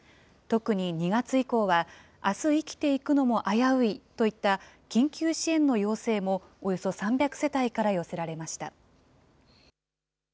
特に２月以降は、あす生きていくのも危ういといった、緊急支援の要請もおよそ３００世帯から寄せられました。